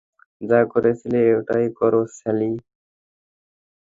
যা করছিলে সেটাই করো, স্যালি!